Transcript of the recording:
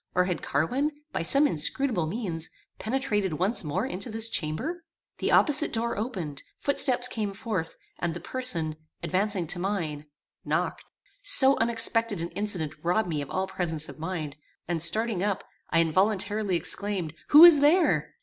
or had Carwin, by some inscrutable means, penetrated once more into this chamber? The opposite door opened; footsteps came forth, and the person, advancing to mine, knocked. So unexpected an incident robbed me of all presence of mind, and, starting up, I involuntarily exclaimed, "Who is there?"